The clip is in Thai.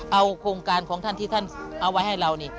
เอาโครงการของท่านที่ท่านเอาไว้ให้เรานี่